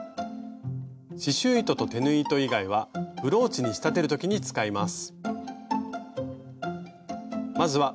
刺しゅう糸と手縫い糸以外はブローチに仕立てる時に使います。